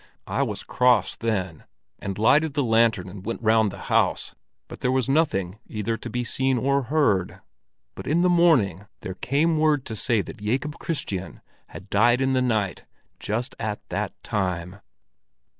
"I was cross then, and lighted the lantern and went round the house; but there was nothing either to be seen or heard. But in the morning there came word to say that Jacob Kristian had died in the night just at that time."